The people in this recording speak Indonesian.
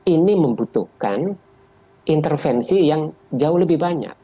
ini membutuhkan intervensi yang jauh lebih banyak